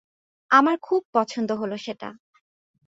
আমার খুব পছন্দ হলো সেটা।